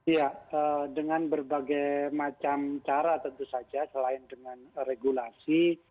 ya dengan berbagai macam cara tentu saja selain dengan regulasi